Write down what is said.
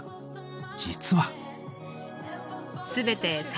実は。